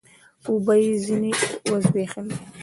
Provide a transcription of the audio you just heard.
اوبه يې ځيني و زبېښلې